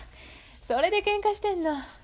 それでけんかしてんの。